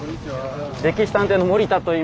「歴史探偵」の森田といいます。